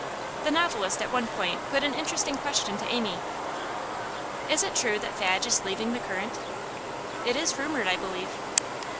The novelist at one point put an interesting question to Amy. 'Is it true that Fadge is leaving The Current?' 'It is rumoured, I believe.